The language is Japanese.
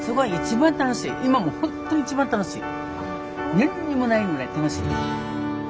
何にもないぐらい楽しい。